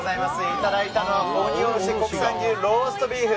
いただいたのは鬼おろし国産牛ローストビーフ。